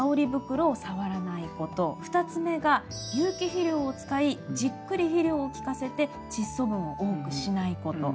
２つ目が有機肥料を使いじっくり肥料を効かせてチッ素分を多くしないこと。